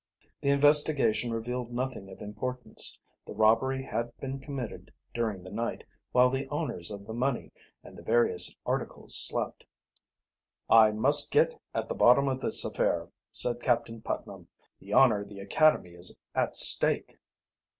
The investigation revealed nothing of importance. The robbery had been committed during the night, while the owners of the money and the various articles slept. "I must get at the bottom of this affair," said Captain Putnam. "The honor of the academy is at stake."